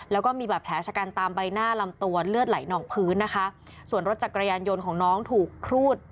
แล้วก็มีบาดแผลชะกันตามใบหน้าลำตัวเลือดไหลนองพื้นนะคะส่วนรถจักรยานยนต์ของน้องถูกครูด